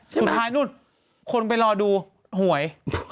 สุดท้ายนู่นคนไปรอดูหวย